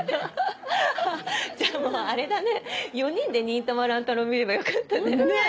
じゃあもうあれだね４人で『忍たま乱太郎』見ればよかったね。